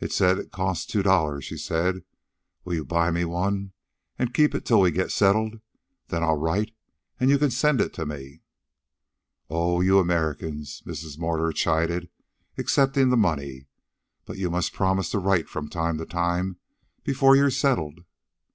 "It says it costs two dollars," she said. "Will you buy me one, and keep it till we get settled? Then I'll write, and you can send it to me." "Oh, you Americans," Mrs. Mortimer chided, accepting the money. "But you must promise to write from time to time before you're settled."